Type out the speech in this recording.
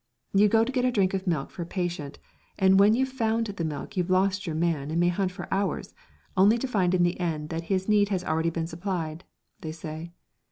"You go to get a drink of milk for a patient, and when you've found the milk you've lost your man and may hunt for hours, only to find in the end that his need has already been supplied," they say.